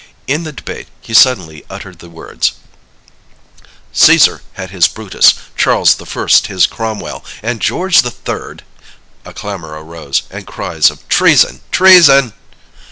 In the debate he suddenly uttered the words: "Cæsar had his Brutus, Charles the First his Cromwell, and George the Third " A clamor arose, and cries of "Treason! Treason!"